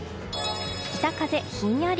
北風ひんやり。